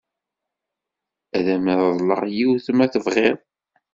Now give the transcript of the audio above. Ad am-reḍleɣ yiwet ma tebɣiḍ.